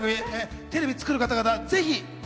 テレビ作る方々、ぜひ！